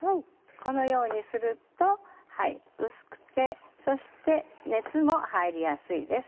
このようにすると薄くてそして熱も入りやすいです。